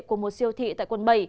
của một siêu thị tại quận bảy